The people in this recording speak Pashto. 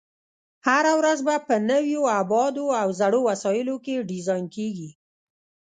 هره ورځ به په نویو ابعادو او زړو وسایلو کې ډیزاین کېږي.